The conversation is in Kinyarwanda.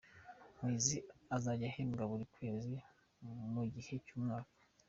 Muhizi azajya ahembwa buri kwezi mu gihe cy’umwaka